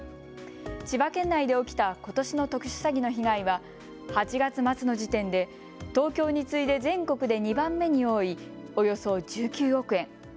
千葉県内で起きたことしの特殊詐欺の被害は８月末の時点で東京に次いで全国で２番目に多いおよそ１９億円。